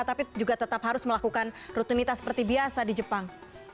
tapi juga tetap harus melakukan rutinitas seperti biasa di jepang